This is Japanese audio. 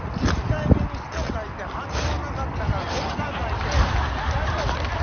１回目に「人」書いて反応なかったからもう１回書いて。